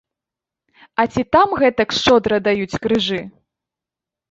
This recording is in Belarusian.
А ці там гэтак шчодра даюць крыжы?